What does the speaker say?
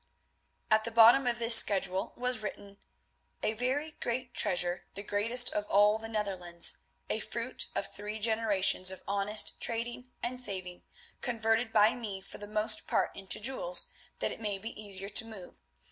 At the bottom of this schedule was written, "A very great treasure, the greatest of all the Netherlands, a fruit of three generations of honest trading and saving, converted by me for the most part into jewels, that it may be easier to move.